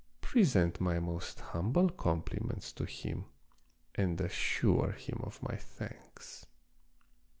Present my most humble compliments to him and assure him of my thanks.